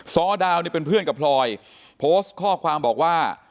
ซ้อดาวนี่เป็นเพื่อนกับพลอยโพสต์ข้อความบอกว่า